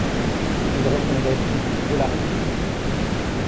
Il répondait: — De la rue.